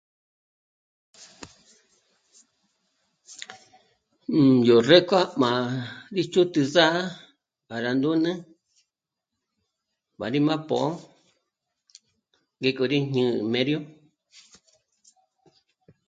Yó rékua m'a rí chü'tü zà'a para ndúnü para rí má pó'o ngéko rí jñä̌nä mério